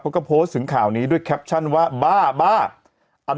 เขาก็โพสถึงข่าวนี้ด้วยแคปชั่นว่าบ้าบ้า